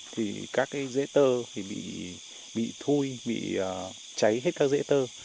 thì các cái dễ tơ thì bị thui bị cháy hết các dễ tơ